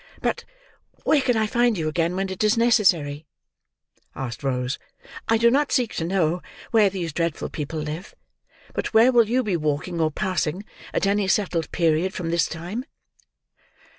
"But where can I find you again when it is necessary?" asked Rose. "I do not seek to know where these dreadful people live, but where will you be walking or passing at any settled period from this time?"